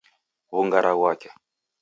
Wungara ghwake